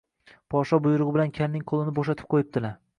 Podsho buyrug‘i bilan kalning qo‘lini bo‘shatib qo‘yibdilar